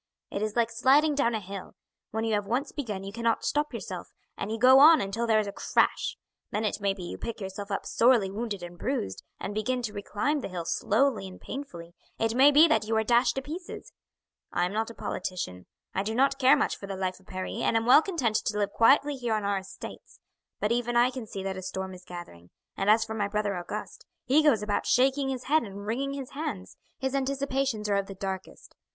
It is like sliding down a hill; when you have once begun you cannot stop yourself, and you go on until there is a crash; then it may be you pick yourself up sorely wounded and bruised, and begin to reclimb the hill slowly and painfully; it may be that you are dashed to pieces. I am not a politician. I do not care much for the life of Paris, and am well content to live quietly here on our estates; but even I can see that a storm is gathering; and as for my brother Auguste, he goes about shaking his head and wringing his hands, his anticipations are of the darkest.